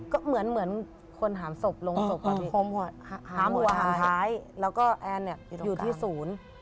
แล้วก็แอนเนี่ยอยู่ที่ศูนย์